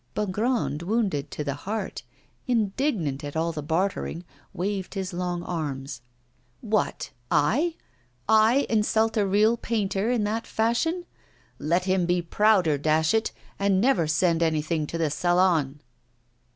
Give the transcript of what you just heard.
Bongrand, wounded to the heart, indignant at all the bartering, waved his long arms: 'What! I? I insult a real painter in that fashion? Let him be prouder, dash it, and never send anything to the Salon!